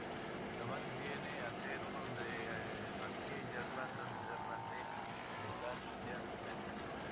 La banda tiende a ser uno de aquellas bandas modernas de brutal death metal.